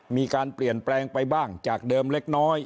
มีการเปลี่ยนแปลงไปบ้างจากเดิมเล็กน้อย